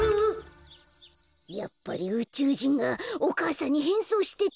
やっぱりうちゅうじんがお母さんにへんそうしてたんだ。